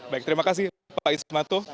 baik terima kasih pak ismatto